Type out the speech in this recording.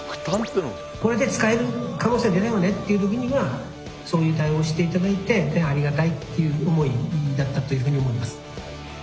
これで使える可能性出るよねっていう時にはそういう対応していただいてありがたいっていう思いだったというふうに思います。